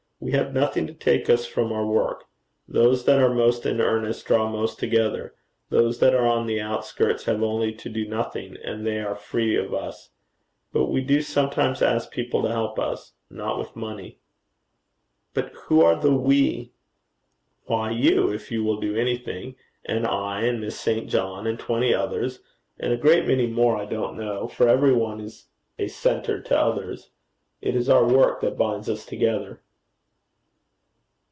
We have nothing to take us from our work. Those that are most in earnest, draw most together; those that are on the outskirts have only to do nothing, and they are free of us. But we do sometimes ask people to help us not with money.' 'But who are the we?' 'Why you, if you will do anything, and I and Miss St. John and twenty others and a great many more I don't know, for every one is a centre to others. It is our work that binds us together.'